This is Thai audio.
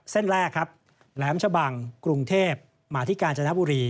เส้นแรกครับแหลมชะบังกรุงเทพมาที่กาญจนบุรี